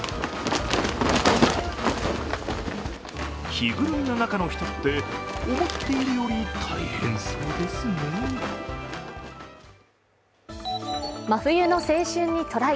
着ぐるみの中の人って思っているより大変そうですね真冬の青春にトライ。